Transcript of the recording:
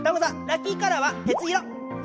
ラッキーカラーは鉄色。